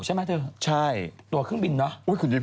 อั่นมาจากวันนี้